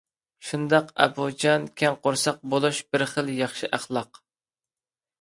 شۇنداق ئەپۇچان، كەڭ قورساق بولۇش بىر خىل ياخشى ئەخلاق.